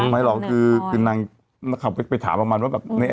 มั้ยหรอคือนางก็ไปถามประมาณว่า